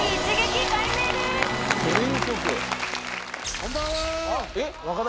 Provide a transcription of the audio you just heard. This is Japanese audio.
こんばんは！